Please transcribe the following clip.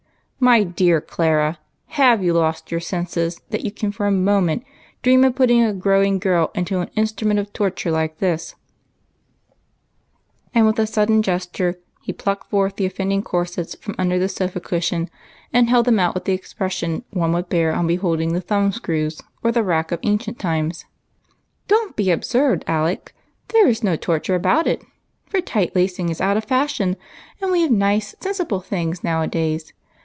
My dear Clara, have you lost your senses that you can for a moment dream of ' putting a growing girl into an instrument of torture like this ?" and with a sudden gesture he plucked forth the offending corsets from under the sofa cushion, and held them out with the expression one would wear on beholding the thumbscrews or the rack of ancient times. "Don't be absurd, Alec. There is no torture about it, for tight lacing is out of fasliion, and we have nice, sensible things nowadays.